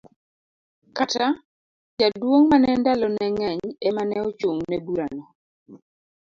Kata, jaduong mane ndalo ne ngeny emane ochung' ne bura no.